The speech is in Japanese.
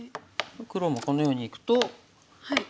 黒もこのようにいくと。